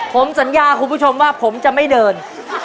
ผมสัญญาคุณผู้ชมว่าผมจะไม่เดิน